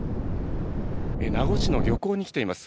名護市の漁港に来ています。